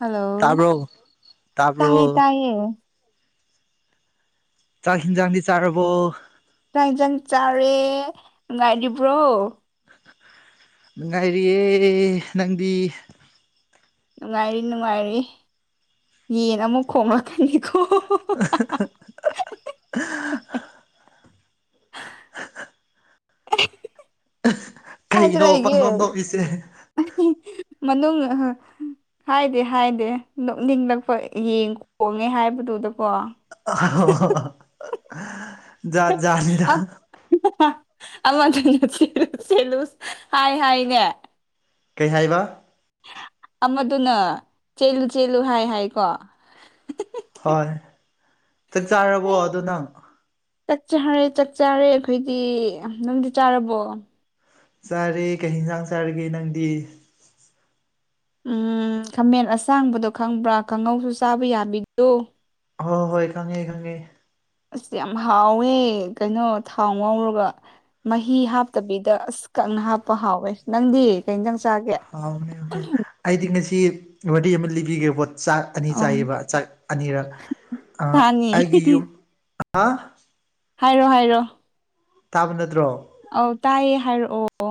Hello ꯇꯥꯕ꯭ꯔꯣ ꯇꯥꯏ ꯇꯥꯕ꯭ꯔꯣ ꯇꯥꯏꯌꯦ ꯆꯥꯛꯍꯤꯡꯖꯥꯡꯗꯤ ꯆꯥꯔꯕꯣ ꯆꯥꯡ ꯍꯤꯡꯖꯥꯡ ꯆꯥꯔꯦ ꯅꯨꯡꯉꯥꯏꯔꯤꯕ꯭ꯔꯣ ꯅꯨꯡꯉꯥꯏꯔꯤꯌꯦ ꯅꯪꯗꯤ ꯅꯨꯡꯉꯥꯏꯔꯤ ꯅꯨꯡꯉꯥꯏꯔꯤ ꯌꯦꯟ ꯑꯃꯨꯛ ꯈꯣꯡꯂꯛꯀꯅꯤꯀꯣ [unintelligible] ꯀꯥꯏꯗ ꯀꯩꯅꯣ ꯂꯩꯒꯦ ꯄꯪꯅꯣꯝ ꯅꯣꯛꯏꯁꯦ ꯃꯅꯨꯡꯗ ꯍꯣꯏ ꯍꯥꯏꯗꯦ ꯍꯥꯏꯗꯦ ꯅꯣꯛꯅꯤꯡ ꯂꯛꯄ ꯌꯦꯡ ꯈꯣꯡꯉꯦ ꯍꯥꯏꯕꯗꯨꯗꯀꯣ ꯑ ꯖꯥꯠ ꯖꯥꯠꯅꯤꯗ ꯑꯃꯗꯨꯅ ꯆꯦꯜꯂꯨ ꯆꯦꯜꯂꯨ ꯍꯥꯏ ꯍꯥꯏꯅꯦ ꯀꯩ ꯍꯥꯏꯕ ꯑꯃꯗꯨꯅ ꯆꯦꯜꯂꯨ ꯆꯦꯜꯂꯨ ꯍꯥꯏ ꯍꯥꯏꯀꯣ ꯍꯣꯏ ꯆꯥꯛ ꯆꯥꯔꯕꯣ ꯑꯩ ꯑꯗꯨ ꯅꯪ ꯆꯥꯛ ꯆꯥꯔꯦ ꯆꯥꯛ ꯆꯥꯔꯦ ꯑꯩꯈꯣꯏꯗꯤ ꯅꯪꯗꯤ ꯆꯥꯔꯕꯣ ꯆꯥꯔꯦ ꯀꯩ ꯌꯦꯟꯁꯥꯡ ꯆꯥꯔꯒꯦ ꯅꯪꯗꯤ ꯎꯝ ꯈꯥꯃꯦꯟ ꯑꯁꯥꯡꯕꯗꯣ ꯈꯪꯕ꯭ꯔꯥ ꯀꯪꯍꯧꯁꯨ ꯆꯥꯕ ꯌꯥꯕꯤꯗꯣ ꯍꯣꯏ ꯍꯣꯏ ꯈꯪꯉꯦ ꯈꯪꯉꯦ ꯑꯁ ꯌꯥꯝ ꯍꯥꯎꯋꯦ ꯀꯩꯅꯣ ꯊꯥꯎ ꯉꯥꯎꯔꯒ ꯃꯍꯤ ꯍꯥꯞꯇꯕꯤꯗ ꯑꯁ ꯀꯪꯅ ꯍꯥꯞꯄ ꯍꯥꯎꯋꯦ ꯅꯪꯗꯤ ꯀꯩ ꯏꯟꯁꯥꯡ ꯆꯥꯒꯦ ꯍꯥꯎꯕꯅꯦ ꯍꯥꯎꯕꯅꯦ ꯑꯩꯗꯤ ꯉꯁꯤ ꯋꯥꯔꯤ ꯑꯃ ꯂꯤꯕꯤꯒꯦꯕꯣ ꯆꯥꯛ ꯑꯅꯤ ꯑꯧ ꯆꯥꯏꯌꯦꯕ ꯆꯥꯛ ꯑꯅꯤꯔꯛ ꯑ ꯁꯥꯅꯤ ꯑꯩꯒꯤ ꯌꯨꯝ ꯍꯥ ꯍꯥꯏꯔꯣ ꯍꯥꯏꯔꯣ ꯇꯥꯕ ꯅꯠꯇ꯭ꯔꯣ ꯑꯧ ꯇꯥꯏꯌꯦ ꯍꯥꯏꯔꯛꯑꯣ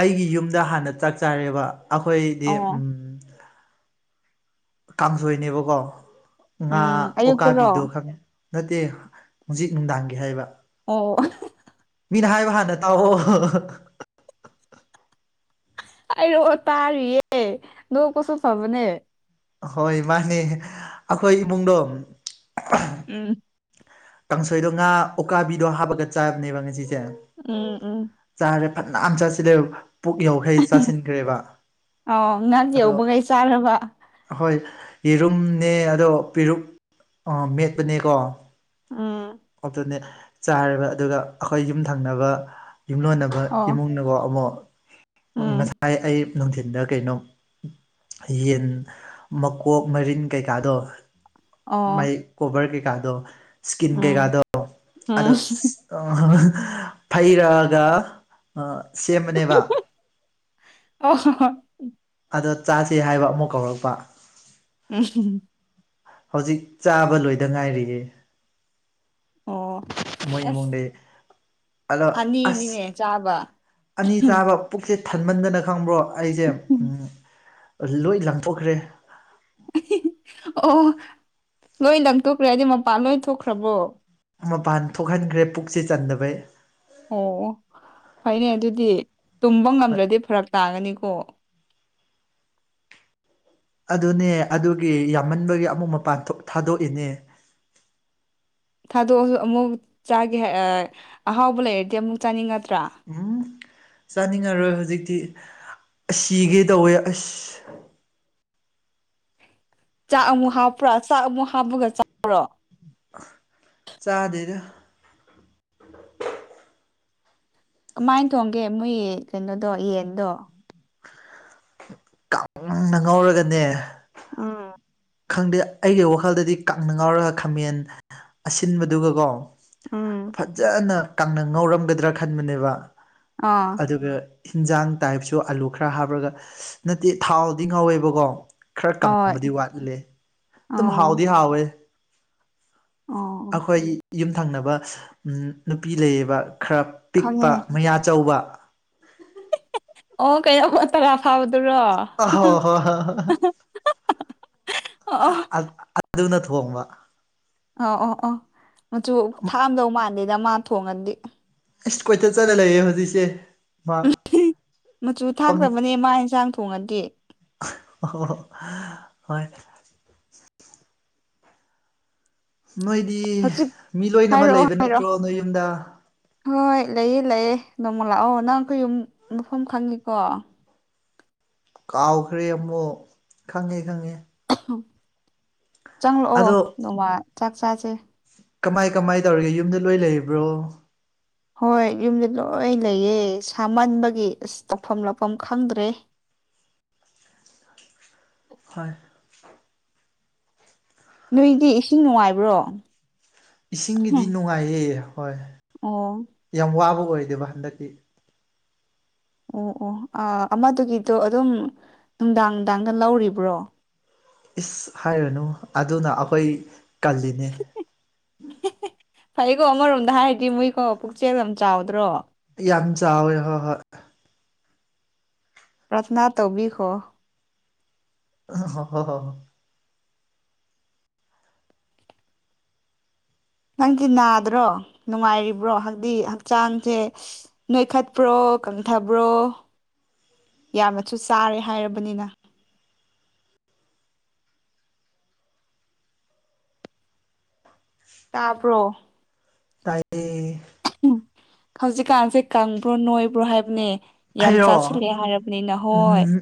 ꯑꯩꯒꯤ ꯌꯨꯝꯗ ꯍꯥꯟꯅ ꯆꯥꯛ ꯆꯥꯔꯦꯕ ꯑꯩꯈꯣꯏꯗꯤ ꯑꯣ ꯎꯝ ꯀꯥꯡꯁꯣꯏꯅꯦꯕꯀꯣ ꯉꯥ ꯎꯝ ꯑꯌꯨꯛꯇꯔꯣ ꯑꯣꯀꯥꯕꯤꯗꯣ ꯈꯪꯉꯦ ꯅꯠꯇꯦ ꯍꯧꯖꯤꯛ ꯅꯨꯡꯗꯥꯡꯒꯤ ꯍꯥꯏꯕ ꯑꯣ ꯃꯤꯅ ꯍꯥꯏꯕ ꯍꯥꯟꯅ ꯇꯥꯑꯣ ꯍꯥꯏꯔꯛꯑꯣ ꯇꯥꯔꯤꯌꯦ ꯅꯣꯛꯄꯁꯨ ꯐꯕꯅꯦ ꯍꯣꯏ ꯃꯥꯅꯦ ꯑꯩꯈꯣꯏ ꯏꯃꯨꯡꯗꯣ ꯎꯝ ꯀꯥꯡꯁꯣꯏꯗꯣ ꯉꯥ ꯎꯀꯥꯕꯤꯗꯣ ꯍꯥꯞꯄꯒ ꯆꯥꯕꯅꯦꯕ ꯉꯁꯤꯁꯦ ꯎꯝ ꯎꯝ ꯆꯥꯔꯦ ꯐꯅꯥꯝ ꯆꯥꯁꯤꯜꯂꯦ ꯄꯨꯛ ꯌꯧꯈꯩ ꯆꯥꯁꯤꯟꯈ꯭ꯔꯦꯕ ꯑꯣ ꯉꯛ ꯑꯗꯣ ꯌꯧꯕꯈꯩ ꯆꯥꯔꯕ ꯍꯣꯏ ꯌꯦꯔꯨꯝꯅꯦ ꯑꯗꯣ ꯄꯦꯔꯨꯛ ꯑ ꯃꯦꯠꯄꯅꯦꯀꯣ ꯎꯝ [unintelligible] ꯆꯥꯔꯦꯕ ꯑꯗꯨꯒ ꯑꯩꯈꯣꯏ ꯌꯨꯝꯊꯪꯅꯕ ꯌꯨꯝꯂꯣꯟꯅꯕ ꯑꯣ ꯅꯕꯠꯏꯃꯨꯡꯅꯀꯣ ꯑꯃꯨꯛ ꯎꯝ ꯉꯁꯥꯏ ꯑꯩ ꯅꯨꯡꯊꯤꯟꯗ ꯀꯩꯅꯣ ꯌꯦꯟ ꯃꯀꯣꯛ ꯃꯔꯤꯟ ꯀꯩꯀꯥꯗꯣ ꯃꯩ ꯑꯣ ꯀꯣꯚꯔ ꯀꯩꯀꯥꯗꯣ ꯏꯁꯀꯤꯟ ꯎꯝ ꯀꯩꯀꯥꯗꯣ ꯎꯝ ꯑꯗꯣ ꯐꯩꯔꯛꯑꯒ ꯁꯦꯝꯕꯅꯦꯕ ꯑꯣ ꯑꯗꯣ ꯆꯥꯁꯦ ꯍꯥꯏꯕ ꯑꯃꯨꯛ ꯀꯧꯔꯛꯄ ꯎꯝ ꯍꯧꯖꯤꯛ ꯆꯥꯕ ꯂꯣꯏꯗ ꯉꯥꯏꯔꯤꯌꯦ ꯑꯣ ꯃꯣꯏ ꯑꯁ ꯏꯃꯨꯡꯗꯩ ꯑꯂꯣ ꯑꯁ ꯑꯅꯤꯅꯤꯅꯦ ꯆꯥꯕ ꯑꯅꯤ ꯆꯥꯕ ꯄꯨꯛꯁꯦ ꯊꯟꯃꯟꯗꯅ ꯈꯪꯕ꯭ꯔꯣ ꯑꯩꯁꯦ ꯂꯣꯏ ꯂꯪꯊꯣꯛꯈ꯭ꯔꯦ ꯑꯣ ꯂꯣꯏ ꯂꯪꯊꯣꯛꯈ꯭ꯔꯦ ꯍꯥꯏꯗꯤ ꯃꯄꯥꯟ ꯂꯣꯏ ꯊꯣꯛꯈ꯭ꯔꯕꯣ ꯃꯄꯥꯟ ꯊꯣꯛꯍꯟꯈ꯭ꯔꯦ ꯄꯨꯛꯁꯦ ꯆꯟꯗꯕꯩ꯫ ꯑꯣ ꯐꯩꯅꯦ ꯑꯗꯨꯗꯤ ꯇꯨꯝꯕ ꯍꯣꯏ ꯉꯝꯗ꯭ꯔꯗꯤ ꯐꯔꯛ ꯇꯥꯒꯅꯤꯀꯣ꯫ ꯑꯗꯨꯅꯦ ꯑꯗꯨꯒꯤ ꯌꯥꯝꯃꯟꯕꯒꯤ ꯑꯃꯨꯛ ꯃꯄꯥꯟ ꯊꯥꯗꯣꯛꯏꯅꯦ꯫ ꯊꯥꯗꯣꯛꯑꯁꯨ ꯑꯃꯨꯛ ꯆꯥꯒꯦ ꯑꯍꯥꯎꯕ ꯂꯩꯔꯗꯤ ꯑꯃꯨꯛ ꯆꯥꯅꯤꯡꯉꯛꯇ꯭ꯔꯥ? ꯍꯨꯎꯝ ꯆꯥꯅꯤꯡꯉꯔꯣꯏ ꯍꯧꯖꯤꯛꯇꯤ ꯑꯁ ꯁꯤꯒꯦ ꯇꯧꯋꯦ ꯑꯁ꯫ ꯆꯥꯛ ꯑꯃꯨꯛ ꯍꯥꯞꯄ꯭ꯔꯥ ꯆꯥꯛ ꯑꯃꯨꯛ ꯍꯥꯞꯄꯒ ꯆꯔꯣ? ꯆꯥꯗꯦꯗ꯫ ꯀꯃꯥꯏꯅ ꯊꯣꯡꯒꯦ ꯃꯣꯏ ꯀꯩꯅꯣꯗꯣ ꯌꯦꯟꯗꯣ? ꯀꯪꯅ ꯉꯧꯔꯒꯅꯦ꯫ ꯎꯝ꯫ ꯈꯪꯗꯦ ꯑꯩꯒꯤ ꯋꯥꯈꯜꯗꯗꯤ ꯀꯪꯅ ꯉꯥꯎꯔꯒ ꯈꯥꯃꯦꯟ ꯑꯁꯤꯟꯕꯗꯨꯒꯀꯣ ꯎꯝ ꯐꯖꯅ ꯀꯥꯡꯪꯅ ꯉꯧꯔꯝꯒꯗ꯭ꯔꯥ ꯈꯟꯕꯅꯦꯕ꯫ ꯑꯥ꯫ ꯑꯗꯨꯒ ꯍꯤꯟꯖꯥꯡ ꯇꯥꯏꯞꯁꯨ ꯑꯂꯨ ꯈꯔ ꯍꯥꯞꯔꯒ ꯅꯠꯇꯦ ꯊꯥꯎꯗꯤ ꯉꯧꯋꯦꯕꯀꯣ꯫ ꯈꯔ ꯍꯣꯏ ꯀꯪꯕꯗꯤ ꯋꯥꯠꯂꯦ ꯑꯣ ꯑꯗꯨꯝ ꯑꯣ ꯍꯥꯎꯗꯤ ꯍꯥꯎꯋꯦ꯫ ꯑꯣ ꯑꯩꯈꯣꯏ ꯌꯨꯝꯊꯪꯅꯕ ꯎꯝꯩꯅꯨꯄꯤ ꯂꯩꯌꯦꯕ ꯈꯔ ꯈꯪꯉꯦ ꯄꯤꯛꯄ ꯃꯌꯥ ꯆꯧꯕ꯫ ꯑꯣ ꯀꯩꯅꯣꯝ ꯇꯔꯥ ꯐꯥꯎꯕꯗꯨꯔꯣ ꯑꯍꯣ ꯍꯣ ꯍꯣ [unintelligible] ꯑꯗꯨꯅ ꯊꯣꯡꯕ꯫ ꯑ ꯑꯣ ꯑꯣꯥ ꯃꯆꯨ ꯊꯥꯛꯑꯝꯗꯧ ꯃꯥꯟꯗꯦꯗ ꯃꯥ ꯊꯣꯡꯉꯗꯤ꯫ ꯑꯩꯁ ꯀꯣꯏꯆꯠ ꯆꯠꯂ ꯂꯩꯌꯦ ꯍꯧꯖꯤꯛꯁꯦ꯫ ꯃꯥ ꯎꯝꯍꯨꯝ ꯃꯆꯨ ꯄꯪ ꯊꯥꯛꯇꯕꯅꯦ ꯃꯥ ꯑꯦꯟꯁꯥꯡ ꯊꯣꯡꯉꯗꯤ꯫ ꯍꯣꯏ꯫ ꯅꯣꯏꯗꯤ ꯍꯧꯖꯤꯛ ꯃꯤ ꯂꯣꯏꯃꯛ ꯍꯥꯏꯔꯛꯑꯣ ꯂꯩꯕ ꯍꯥꯏꯔꯛꯑꯣ ꯅꯠꯇ꯭ꯔꯣ ꯅꯣꯏ ꯌꯨꯝꯗ꯫ ꯍꯣꯏ ꯂꯩꯌꯦ ꯂꯩꯑꯦ ꯅꯣꯡꯃ ꯂꯥꯛꯑꯣ ꯅꯪ ꯑꯩꯈꯣꯏ ꯌꯨꯝ ꯃꯐꯝ ꯈꯪꯉꯤꯀꯣ꯫ ꯀꯥꯎꯈ꯭ꯔꯦ ꯑꯃꯨꯛ ꯈꯪꯉꯦ ꯈꯪꯉꯦ꯫ ꯆꯪꯂꯛꯑꯣ ꯑꯗꯣ ꯅꯣꯡꯃ ꯆꯥꯛ ꯆꯥꯁꯦ꯫ ꯀꯃꯥꯏ ꯀꯃꯥꯏ ꯇꯧꯔꯤꯒꯦ ꯌꯨꯝꯗ ꯂꯣꯏ ꯂꯩꯔꯤꯕ꯭ꯔꯣ? ꯍꯣꯏ ꯌꯨꯝꯗ ꯂꯣꯏ ꯂꯩꯌꯦ ꯁꯥꯃꯟꯕꯒꯤ ꯑꯁ ꯇꯧꯐꯝ ꯂꯥꯛꯐꯝ ꯈꯪꯗ꯭ꯔꯦ꯫ ꯍꯣꯏ꯫ ꯅꯣꯏꯗꯤ ꯏꯁꯤꯡ ꯅꯨꯡꯉꯥꯏꯕ꯭ꯔꯣ? ꯏꯁꯤꯡꯒꯤꯗꯤ ꯍꯨꯝ ꯅꯨꯡꯉꯥꯏꯌꯦ ꯍꯣꯏ꯫ ꯑꯣ꯫ ꯌꯥꯝ ꯋꯥꯕ ꯑꯣꯏꯗꯦꯕ ꯍꯟꯗꯛꯇꯤ꯫ ꯑꯣ ꯑꯣ ꯑꯃꯗꯨꯒꯤꯗꯣ ꯑꯗꯨꯝ ꯅꯨꯡꯗꯥꯡ ꯅꯨꯡꯗꯥꯡꯗ ꯂꯧꯔꯤꯕ꯭ꯔꯣ? ꯏꯁ ꯍꯥꯏꯔꯅꯨ ꯑꯗꯨꯅ ꯑꯈꯣꯏ꯫ ꯀꯜꯂꯤꯅꯤ꯫ ꯍꯤꯍꯤ ꯐꯩꯀꯣ ꯑꯃꯔꯣꯝꯗ ꯍꯥꯏꯔꯗꯤ ꯃꯣꯏꯀꯣ ꯄꯨꯛꯆꯦꯜ ꯌꯥꯝ ꯆꯥꯎꯗ꯭ꯔꯣ꯫ ꯌꯥꯝ ꯆꯥꯎꯋꯦ ꯍꯣꯏ ꯍꯣꯏ꯫ ꯄ꯭ꯔꯊꯅꯥ ꯇꯧꯕꯤꯈꯣ꯫ ꯑꯁ ꯍꯣ ꯍꯣ ꯍ꯫ ꯅꯪꯗꯤ ꯅꯥꯗ꯭ꯔꯣ ꯅꯨꯡꯉꯥꯏꯔꯤꯕ꯭ꯔꯣ ꯍꯥꯏꯕꯗꯤ ꯍꯛꯆꯥꯡꯁꯦ ꯅꯣꯏꯈꯠꯄ꯭ꯔꯣ ꯀꯪꯊꯕ꯭ꯔꯣ ꯌꯥꯝꯅꯁꯨ ꯆꯥꯔꯦ ꯍꯥꯏꯔꯕꯅꯤꯅ꯫ ꯇꯥꯕ꯭ꯔꯣ? ꯇꯥꯏꯌꯦ ꯎ ꯍꯧꯖꯤꯛꯀꯥꯟꯁꯦ ꯀꯪꯕ꯭ꯔꯣ ꯅꯣꯏꯕ꯭ꯔꯣ ꯍꯥꯏꯕꯅꯦ ꯌꯥꯝ ꯑꯩꯔꯣ ꯆꯥꯁꯤꯜꯂꯦ ꯍꯥꯏꯔꯕꯅꯤꯅ ꯍꯣꯏ ꯎꯝ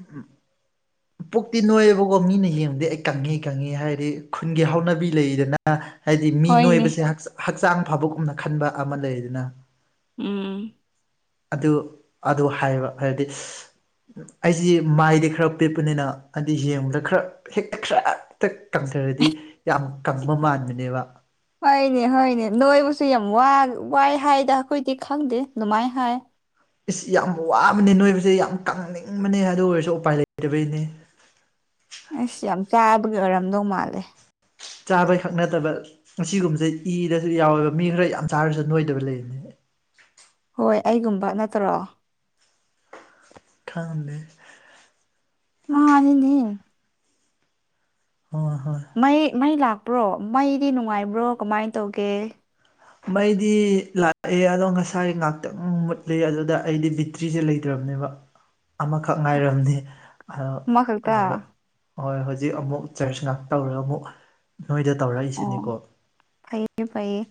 ꯄꯨꯛꯇꯤ ꯅꯣꯏꯑꯦꯕꯀꯣ ꯃꯤꯅ ꯌꯦꯡꯕꯗꯤ ꯑꯩ ꯀꯪꯉꯤ ꯀꯪꯉꯦ ꯍꯥꯏꯔꯤ ꯈꯨꯟꯒꯤ ꯍꯥꯎꯅꯕꯤ ꯂꯩꯗꯅ ꯍꯥꯏꯗꯤ ꯃꯤ ꯍꯣꯏꯅꯦ ꯅꯣꯏꯕꯁꯦ ꯍꯛꯆꯥꯡ ꯐꯕꯒꯨꯝꯅ ꯈꯟꯕ ꯑꯃ ꯂꯩꯗꯅ ꯎꯝ ꯑꯗꯨ ꯑꯗꯨ ꯍꯥꯏꯕ ꯍꯥꯏꯕꯗꯤ ꯑꯩꯁꯤ ꯃꯥꯏꯗꯤ ꯈꯔ ꯄꯤꯛꯄꯅꯤꯅ ꯍꯥꯏꯗꯤ ꯌꯦꯡꯕꯗ ꯈꯔ ꯍꯦꯛꯇ ꯈꯔ ꯍꯦꯛꯇ ꯀꯪꯊꯔꯗꯤ ꯌꯥꯝ ꯀꯪꯕ ꯃꯥꯟꯕꯅꯦꯕ ꯍꯣꯏꯅꯦ ꯍꯣꯏꯅꯦ ꯅꯣꯏꯕꯁꯨ ꯌꯥꯝ ꯋꯥꯏ ꯍꯥꯏꯗ ꯑꯩꯈꯣꯏꯗꯤ ꯈꯪꯗꯦ ꯗꯨꯃꯥꯏ ꯍꯥꯏ ꯏꯁ ꯌꯥꯝ ꯋꯥꯕꯅꯦ ꯅꯣꯏꯕꯁꯦ ꯌꯥꯝ ꯀꯪꯅꯤꯡꯕꯅꯦ ꯑꯗꯨ ꯑꯣꯏꯔꯁꯨ ꯎꯄꯥꯏ ꯂꯩꯇꯕꯩꯅꯦ ꯑꯩꯁ ꯌꯥꯝ ꯆꯥꯕꯒꯤ ꯑꯣꯏꯔꯝꯗꯧ ꯃꯥꯜꯂꯦ ꯆꯥꯕꯩꯈꯛ ꯅꯠꯇꯕ ꯑꯁꯤꯒꯨꯝꯕꯁꯦ ꯏꯗꯁꯨ ꯌꯥꯎꯋꯦꯕ ꯃꯤ ꯈꯔ ꯌꯥꯝ ꯆꯥꯔꯁꯨ ꯅꯣꯏꯗꯕ ꯂꯩꯕꯅꯦ ꯍꯣꯏ ꯑꯩꯒꯨꯝꯕ ꯅꯠꯇ꯭ꯔꯣ ꯈꯪꯗꯦ ꯃꯥꯅꯤꯅꯦ ꯍꯣꯏ ꯍꯣꯏ ꯃꯩ ꯃꯩ ꯂꯥꯛꯄ꯭ꯔꯣ ꯃꯩꯗꯤ ꯅꯨꯡꯉꯥꯏꯕ꯭ꯔꯣ ꯀꯃꯥꯏ ꯇꯧꯒꯦ ꯃꯩꯗꯤ ꯂꯥꯛꯑꯦ ꯑꯗꯣ ꯉꯁꯥꯏ ꯉꯥꯛꯇꯪ ꯃꯨꯠꯂꯦ ꯑꯗꯨꯗ ꯑꯩꯗꯤ ꯕꯦꯇ꯭ꯔꯤꯁꯦ ꯂꯩꯇ꯭ꯔꯕꯅꯦꯕ ꯑꯃꯈꯛ ꯉꯥꯏꯔꯝꯅꯦ ꯑꯃꯈꯛꯇ [unintelligible] ꯍꯣꯏ ꯍꯧꯖꯤꯛ ꯑꯃꯨꯛ ꯆꯔꯆ ꯉꯥꯛ ꯇꯧꯔꯒ ꯑꯃꯨꯛ ꯅꯣꯏꯗ ꯑꯣ ꯇꯧꯔꯛꯏꯁꯤꯅꯤꯀꯣ ꯐꯩꯌꯦ ꯐꯩꯌꯦ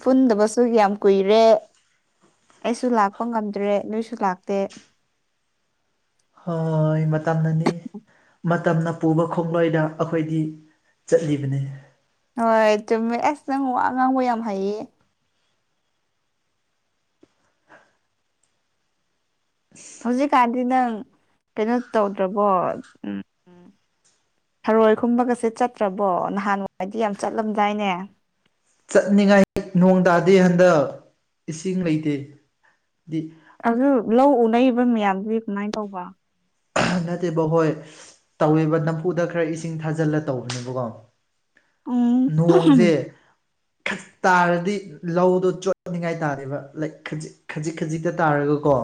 ꯄꯨꯟꯗꯕꯁꯨ ꯌꯥꯝ ꯀꯨꯏꯔꯦ ꯑꯩꯁꯨ ꯂꯥꯛꯄ ꯉꯝꯗ꯭ꯔꯦ ꯅꯣꯏꯁꯨ ꯂꯥꯛꯇꯦ ꯍꯣꯏ ꯃꯇꯝꯅꯅꯦ ꯃꯇꯝꯅ ꯄꯨꯕ ꯈꯣꯡꯂꯣꯏꯗ ꯑꯈꯣꯏꯗꯤ ꯆꯠꯂꯤꯕꯅꯤ ꯍꯣꯏ ꯆꯨꯝꯃꯦ ꯑꯁ ꯅꯪ ꯋꯥ ꯑꯉꯥꯡꯕ ꯌꯥꯝ ꯍꯥꯏꯌꯦ ꯍꯧꯖꯤꯛꯀꯥꯟꯁꯤ ꯅꯪ ꯀꯩꯅꯣ ꯇꯧꯗ꯭ꯔꯕꯣ ꯎꯝ ꯎꯝ ꯊꯔꯣꯏ ꯈꯨꯝꯕꯒꯁꯦ ꯆꯠꯇ꯭ꯔꯕꯣ ꯅꯍꯥꯟꯋꯥꯏꯗꯤ ꯌꯥꯝ ꯆꯠꯂꯝꯗꯥꯏꯅꯦ ꯆꯠꯅꯤꯡꯉꯥꯏ ꯅꯣꯡ ꯇꯥꯗꯦ ꯍꯟꯗꯛ ꯏꯁꯤꯡ ꯂꯩꯇꯦꯗꯤ ꯑꯗꯨ ꯂꯧ ꯎꯅꯩꯕ ꯃꯌꯥꯝꯗꯨꯒꯤ ꯀꯃꯥꯏꯅ ꯇꯧꯕ ꯅꯠꯇꯦꯕ ꯍꯣꯏ ꯇꯧꯋꯦꯕ ꯅꯝꯐꯨꯗ ꯈꯔ ꯏꯁꯤꯡ ꯊꯥꯖꯤꯜꯂ ꯇꯧꯕꯅꯦꯕꯀꯣ ꯎꯝ ꯅꯣꯡꯖꯦ ꯇꯥꯔꯗꯤ ꯂꯧꯗꯣ ꯆꯣꯠꯅꯤꯡꯉꯥꯏ ꯇꯥꯗꯦꯕ ꯂꯥꯏ ꯈꯖꯤꯛ ꯈꯖꯤꯛ ꯈꯖꯤꯛꯇ ꯇꯥꯔꯒꯀꯣ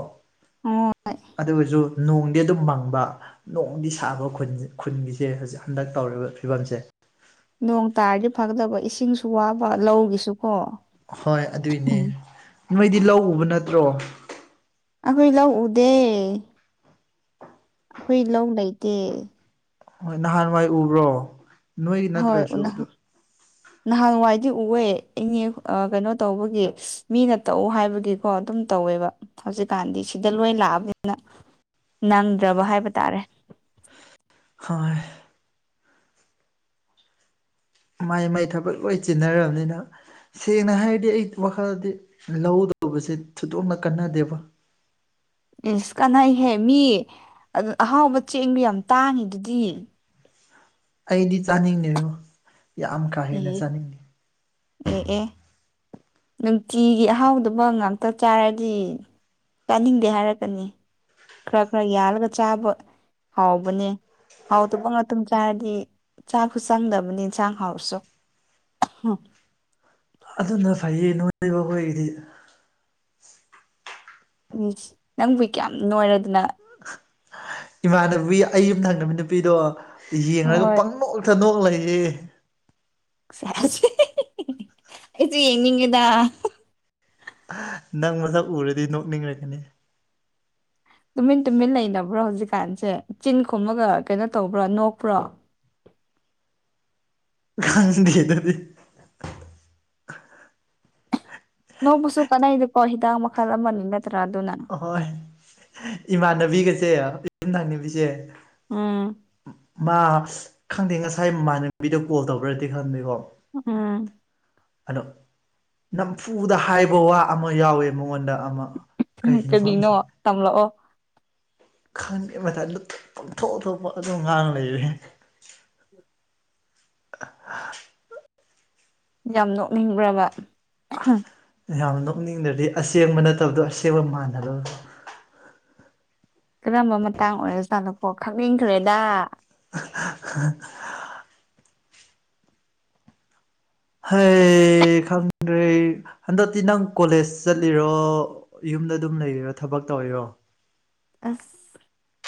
ꯑꯣ ꯑꯗꯨ ꯑꯣꯏꯔꯁꯨ ꯅꯣꯡ ꯗꯤ ꯑꯗꯨꯝ ꯃꯪꯕ ꯅꯣꯡꯗꯤ ꯁꯥꯕ ꯈꯨꯟꯒꯤꯁꯦ ꯍꯧꯖꯤꯛ ꯍꯟꯗꯛ ꯇꯧꯔꯤꯕ ꯐꯤꯕꯝꯁꯦ ꯅꯣꯡ ꯇꯥꯔꯗꯤ ꯐꯒꯗꯕ ꯏꯁꯤꯡꯁꯨ ꯋꯥꯕ ꯂꯧꯒꯤꯁꯨ ꯍꯣꯏ ꯑꯗꯨꯏꯅꯦ ꯅꯣꯏꯗꯤ ꯂꯧ ꯎꯕ ꯅꯠꯇ꯭ꯔꯣ ꯑꯈꯣꯏ ꯂꯧ ꯎꯗꯦ ꯑꯩꯈꯣꯏ ꯂꯧ ꯂꯩꯇꯦ ꯍꯣꯏ ꯅꯍꯥꯟꯋꯥꯏ ꯎꯕ꯭ꯔꯣ ꯅꯣꯏꯒꯤ ꯍꯣꯏ ꯅꯠꯇ꯭ꯔꯁꯨ ꯎꯅ ꯑꯗꯨ ꯅꯍꯥꯟꯋꯥꯏꯗꯤ ꯎꯋꯦ ꯀꯩꯅꯣ ꯇꯧꯕꯒꯤ ꯃꯤꯅ ꯇꯧ ꯍꯥꯏꯕꯒꯤ ꯀꯣ ꯑꯗꯨꯝ ꯇꯧꯋꯦꯕ ꯍꯧꯖꯤꯛꯀꯥꯟꯗꯤ ꯁꯤꯗ ꯂꯣꯏ ꯂꯥꯛꯑꯕꯅꯤꯅ ꯅꯪꯗ꯭ꯔꯕ ꯍꯥꯏꯕ ꯇꯥꯔꯦ ꯍꯣꯏ ꯃꯥꯏ ꯃꯥꯏ ꯊꯕꯛ ꯂꯣꯏ ꯆꯤꯟꯅꯔꯕꯅꯤꯅ ꯁꯦꯡꯅ ꯍꯥꯏꯔꯗꯤ ꯑꯩ ꯋꯥꯈꯜꯗꯤ ꯂꯧꯗꯧꯕꯁꯦ ꯊꯨꯗꯣꯛꯅ ꯀꯟꯅꯗꯦꯕ ꯏꯁ ꯀꯥꯟꯅꯩꯍꯦ ꯃꯤ [unintelligible] ꯑꯍꯥꯎꯕ ꯆꯦꯡꯗꯨ ꯌꯥꯝ ꯇꯥꯡꯉꯤ ꯑꯗꯨꯗꯤ ꯑꯩꯗꯤ ꯆꯥꯅꯤꯡꯗꯦꯉꯣ ꯌꯥꯝ ꯀꯥ ꯍꯦꯟꯅ ꯑꯦ ꯆꯥꯅꯤꯡꯗꯦ ꯑꯦ ꯑꯦ ꯅꯨꯡꯇꯤꯒꯤ ꯑꯍꯥꯎꯗꯕ ꯉꯥꯛꯇ ꯆꯥꯔꯗꯤ ꯇꯥꯅꯤꯡꯗꯦ ꯍꯥꯏꯔꯛꯀꯅꯤ ꯈꯔ ꯈꯔ ꯌꯥꯜꯂꯒ ꯆꯥꯕ ꯍꯥꯎꯕꯅꯦ ꯍꯥꯎꯗꯕ ꯉꯥꯇꯝ ꯆꯥꯔꯗꯤ ꯆꯥꯛꯁꯨ ꯆꯪꯗꯕꯅꯤ ꯆꯥꯛ ꯍꯥꯎꯔꯁꯨ [unintelligible] ꯑꯗꯨꯅ ꯐꯩꯌꯦ ꯅꯣꯏꯕ ꯑꯩꯈꯣꯏꯒꯤꯗꯤ ꯏꯁ ꯅꯪꯕꯨ ꯀꯌꯥꯝ ꯅꯣꯏꯔꯗꯅ [unintelligible] ꯏꯃꯥꯟꯅꯕꯤ ꯑꯩ ꯌꯨꯝ ꯊꯪꯅꯕ ꯅꯨꯄꯤꯗꯣ ꯌꯦꯡꯒ ꯍꯣꯏ ꯄꯪꯅꯣꯛ ꯇ ꯅꯣꯡ ꯂꯩꯌꯦ ꯁꯦꯁ [unintelligible] ꯑꯩꯁꯨ ꯌꯦꯡꯅꯤꯡꯉꯦꯗ ꯅꯪ ꯃꯁꯛ ꯎꯔꯗꯤ ꯅꯣꯛꯅꯤꯡꯂꯛꯀꯅꯤ ꯇꯨꯃꯤꯟ ꯇꯨꯃꯤꯟ ꯂꯩꯅꯕ꯭ꯔꯣ ꯍꯧꯖꯤꯛꯀꯥꯟꯁꯦ ꯆꯤꯟ ꯈꯨꯝꯃꯒ ꯀꯩꯅꯣ ꯇꯧꯕ꯭ꯔꯥ ꯅꯣꯛꯄ꯭ꯔꯣ ꯈꯥꯗꯦꯗꯨꯗꯤ ꯅꯣꯛꯕꯁꯨ ꯀꯥꯅꯩꯗꯀꯣ ꯍꯤꯗꯥꯛ ꯃꯈꯜ ꯑꯃꯅꯤ ꯅꯠꯇ꯭ꯔꯥ ꯑꯗꯨꯅ ꯑꯍꯣꯏ ꯏꯃꯥꯟꯅꯕꯤꯒꯁꯦ ꯌꯨꯝ ꯊꯛꯅꯕꯤꯁꯦ ꯎꯝ ꯃꯥ ꯈꯪꯗꯦ ꯉꯁꯥꯏ ꯏꯃꯥꯟꯅꯕꯤꯗ ꯀꯣꯜ ꯇꯧꯕ꯭ꯔꯗꯤ ꯈꯪꯗꯦꯀꯣ ꯎꯝ ꯑꯗꯣ ꯅꯝꯐꯨꯗ ꯍꯥꯏꯕ ꯋꯥ ꯑꯃ ꯌꯥꯎꯋꯦ ꯃꯉꯣꯟꯗ ꯑꯃ ꯀꯩꯒꯤꯅꯣ ꯀꯔꯤꯅꯣ ꯈꯪꯗꯦ ꯇꯝꯂꯛꯑꯣ ꯈꯪꯗꯦ ꯃꯥꯊꯟꯗ ꯄꯪꯊꯣꯛ ꯊꯣꯛꯄ ꯑꯗꯨꯝ ꯉꯥꯡ ꯂꯩꯔꯦ [unintelligible] ꯌꯥꯝ ꯅꯣꯛꯅꯤꯡꯕ꯭ꯔꯥꯕ [unintelligible] ꯌꯥꯝ ꯅꯣꯛꯅꯤꯡꯗꯗꯤ ꯑꯁꯦꯡꯕ ꯅꯠꯇꯕꯗꯣ ꯑꯁꯦꯡꯕ ꯃꯥꯟꯅꯕ ꯀꯔꯝꯕ ꯃꯇꯥꯡ ꯑꯣꯏꯔꯖꯥꯠꯅꯣꯀꯣ ꯈꯪꯅꯤꯡꯈ꯭ꯔꯦꯗ [unintelligible] ꯍꯩ ꯈꯪꯗ꯭ꯔꯦ ꯍꯟꯗꯛꯇꯤ ꯅꯪ ꯀꯣꯂꯦꯖ ꯆꯠꯂꯤꯔꯣ ꯌꯨꯝꯗ ꯑꯗꯨꯝ ꯂꯩꯔꯤꯔꯣ ꯊꯕꯛ ꯇꯧꯔꯤꯔꯣ ꯑꯁ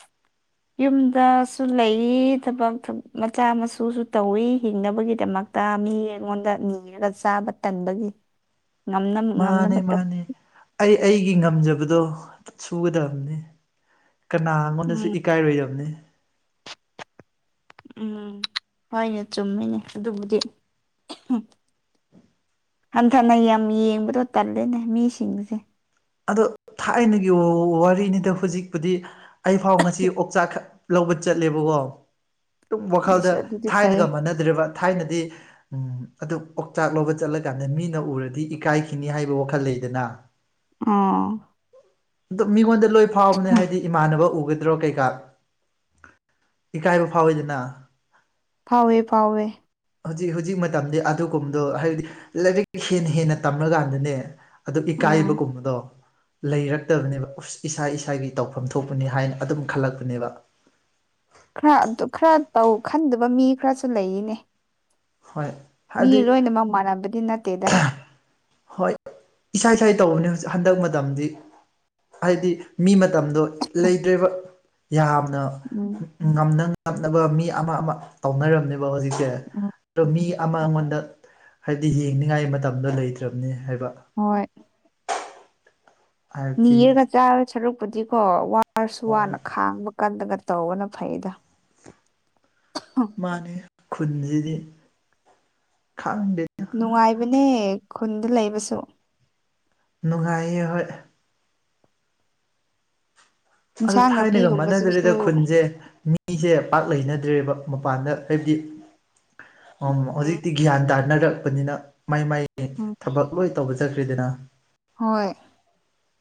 [inaudible] ꯌꯨꯝꯗꯁꯨ ꯂꯩ ꯊꯕꯛ ꯃꯆꯥ ꯃꯁꯨꯁꯨ ꯇꯧꯋꯤ ꯍꯤꯡꯅꯕꯒꯤꯗꯃꯛ ꯇ ꯃꯤ ꯑꯩꯉꯣꯟꯗ ꯅꯤꯔꯒ ꯆꯥꯕ ꯇꯟꯕꯒꯤ ꯉꯝꯅꯕ ꯃꯥꯅꯦ ꯉꯝꯅꯕ ꯇꯧ ꯃꯥꯅꯦ ꯑꯩ ꯑꯩꯒꯤ ꯉꯝꯖꯕꯗꯣ ꯁꯨꯒꯗꯕꯅꯤ ꯀꯅꯥꯉꯣꯟꯗꯁꯨ ꯎꯝ [unintelligible] ꯏꯀꯥꯏꯔꯣꯏꯗꯕꯅꯤ ꯎꯝ ꯍꯣꯏꯅꯦ ꯆꯨꯝꯃꯤꯅꯦ ꯑꯗꯨꯕꯨꯗꯤ ꯍꯟꯊꯅ ꯌꯥꯝ ꯌꯦꯡꯕꯗꯣ ꯇꯜꯂꯦꯅꯦ ꯃꯤꯁꯤꯡꯁꯦ ꯑꯗꯣ ꯊꯥꯏꯅꯒꯤ ꯋꯥꯔꯤꯅꯤꯗ ꯍꯧꯖꯤꯛꯄꯨꯗꯤ ꯑꯩ ꯐꯥꯎ ꯉꯁꯤ ꯑꯣꯛꯆꯥꯛ ꯈꯛ ꯂꯧꯕ ꯆꯠꯂꯦꯕꯀꯣ ꯇꯨꯝ ꯋꯥꯈꯜꯗ ꯌꯦꯁ ꯑꯗꯨꯗꯤ ꯐꯩ ꯊꯥꯏꯅꯒ ꯃꯥꯟꯅꯗ꯭ꯔꯦꯕ ꯊꯥꯏꯅꯗꯤ ꯎꯝ ꯑꯗꯨ ꯑꯣꯛꯆꯥꯛ ꯂꯧꯕ ꯆꯠꯂꯀꯥꯟꯗ ꯃꯤꯅ ꯎꯔꯗꯤ ꯏꯀꯥꯏꯈꯤꯅꯤ ꯍꯥꯏꯕ ꯋꯥꯈꯜ ꯂꯩꯗꯅ ꯎꯝ ꯑꯗꯨ ꯃꯤꯉꯣꯟꯗ ꯂꯣꯏ ꯐꯥꯎꯕꯅꯦ ꯍꯝ, ꯍꯥꯏꯗꯤ ꯏꯃꯥꯟꯅꯕ ꯎꯒꯗ꯭ꯔꯣ ꯀꯩꯀꯥ ꯏꯀꯥꯏꯕ ꯐꯥꯎꯋꯤꯗꯅ ꯐꯥꯎꯋꯦ ꯐꯥꯎꯋꯦ ꯍꯧꯖꯤꯛ ꯍꯨꯖꯤꯛ ꯃꯇꯝꯗꯤ ꯑꯗꯨꯒꯨꯝꯕꯗꯣ ꯍꯥꯏꯕꯗꯤ ꯂꯥꯏꯔꯤꯛ ꯍꯦꯟꯅ ꯍꯦꯟꯅ ꯇꯝꯃꯀꯥꯟꯗꯅꯦ ꯑꯗꯨ ꯑꯥ ꯏꯀꯥꯏꯕꯒꯨꯝꯕꯗꯣ ꯂꯩꯔꯛꯇꯕꯅꯦꯕ ꯎꯁ ꯏꯁꯥ ꯏꯁꯥꯒꯤ ꯇꯧꯐꯝ ꯊꯣꯛꯄꯅꯤ ꯍꯥꯏꯅ ꯑꯗꯨꯝ ꯈꯜꯂꯛꯄꯅꯦꯕ ꯈꯔ ꯑꯗꯨ ꯈꯔ ꯇꯧ ꯈꯟꯗꯕ ꯃꯤ ꯈꯔꯁꯨ ꯂꯩꯔꯤꯅꯦ ꯍꯣꯏ ꯃꯤ ꯍꯥꯏꯕꯗꯤ ꯂꯣꯏꯅꯃꯛ ꯃꯥꯟꯅꯕꯗꯤ ꯅꯠꯇꯦꯗ ꯍꯣꯏ ꯏꯁꯥꯏ ꯏꯁꯥꯏ ꯇꯧꯕꯅꯦ ꯍꯧꯖꯤꯛ ꯍꯟꯗꯛ ꯃꯇꯝꯗꯤ ꯍꯥꯏꯗꯤ ꯃꯤ ꯃꯇꯝꯗꯣ ꯂꯩꯗ꯭ꯔꯦꯕ ꯌꯥꯝꯅ ꯎꯝ ꯉꯝꯅ ꯉꯝꯅꯕ ꯃꯤ ꯑꯃ ꯑꯃ ꯇꯧꯅꯔꯝꯃꯦ ꯕ ꯍꯧꯖꯤꯛꯁꯦ ꯎꯝ ꯑꯗꯣ ꯃꯤ ꯑꯃ ꯑꯩꯉꯣꯟꯗ ꯍꯥꯏꯕꯗꯤ ꯌꯦꯡꯅꯤꯡꯉꯥꯏ ꯃꯇꯝꯗꯣ ꯂꯩ ꯗꯕꯅꯤ ꯍꯥꯏꯕ ꯍꯣꯏ ꯍꯥꯏꯕꯗꯤ ꯅꯤꯔꯒ ꯆꯥꯔ ꯁꯔꯨꯛꯄꯨꯗꯤꯀꯣ ꯋꯥꯔꯁꯨ ꯍꯣꯏ ꯋꯥꯅ ꯈꯥꯡꯕ ꯀꯟꯂꯒ ꯇꯧꯕꯅ ꯐꯩꯗꯥ ꯃꯥꯅꯦ ꯈꯨꯟꯖꯤꯗꯤ ꯈꯪꯗꯦ ꯅꯨꯡꯉꯥꯏꯕꯅꯦ ꯈꯨꯟꯗ ꯂꯩꯕꯁꯨ ꯅꯨꯡꯉꯥꯏꯌꯦ ꯍꯣꯏ ꯑꯗꯣ ꯏꯟꯁꯥꯡ ꯊꯥꯏꯅꯒ ꯅꯥꯄꯤꯒꯨꯝꯕꯁꯤꯁꯨ ꯃꯥꯟꯅꯗꯔꯦꯗ ꯈꯨꯟꯖꯦ ꯃꯤꯁꯦ ꯄꯥꯛ ꯂꯩꯅꯗ꯭ꯔꯦꯕ ꯃꯄꯥꯟꯗ ꯍꯥꯏꯕꯗꯤ ꯑꯣ ꯎꯝ ꯍꯧꯖꯤꯛꯇꯤ ꯒ꯭ꯌꯥꯟ ꯇꯥꯅꯔꯛꯄꯅꯤꯅ ꯃꯥꯏ ꯃꯥꯏ ꯎꯝ ꯊꯕꯛ ꯂꯣꯏ ꯇꯧꯕ ꯆꯠꯈ꯭ꯔꯤꯗꯅ ꯍꯣꯏ